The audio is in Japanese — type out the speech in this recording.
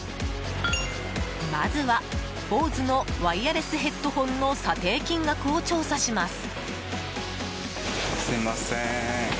まずはＢＯＳＥのワイヤレスヘッドホンの査定金額を調査します。